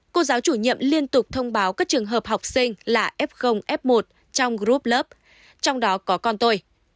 cô giáo chủ nhiệm liên tục thông báo các trường hợp học sinh là f f một trong group lớp trong đó có con tôi